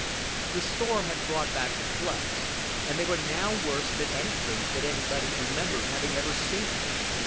The storm had brought back the floods, and they were now worse than anything that anybody remembered having ever seen.